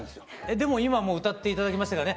でも今もう歌って頂きましたからね。